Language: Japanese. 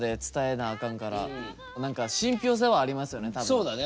そうだね。